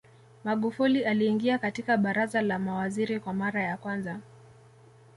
Magufuli aliingia katika Baraza la Mawaziri kwa mara ya kwanza